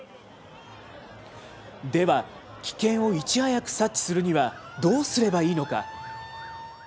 では、危険をいち早く察知するにはどうすればいいのか。